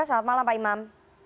selamat malam pak imam